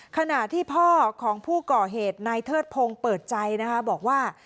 ขณะที่พ่อของผู้ก่อเหตุนายเทิดพงศ์เปิดใจนะคะบอกว่า